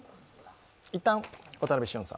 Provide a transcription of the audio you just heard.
いったん渡部峻さん